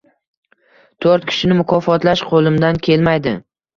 “Toʻrt kishini mukofotlash qoʻlimdan kelmaydi: